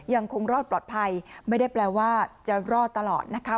ยังคงรอดปลอดภัยไม่ได้แปลว่าจะรอดตลอดนะคะ